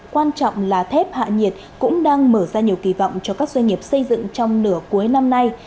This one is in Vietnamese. quan trọng là thép hạ nhiệt cũng đang mở ra nhiều kỳ vọng cho các doanh nghiệp xây dựng trong nửa cuối năm nay